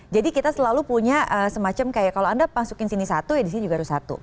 jadi kita selalu punya semacam kayak kalau anda masukin sini satu ya di sini juga harus satu